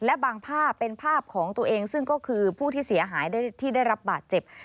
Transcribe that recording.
และบางภาพเป็นภาพของตัวเองซึ่งก็คือผู้ที่เสียหายที่ได้รับบาดเจ็บ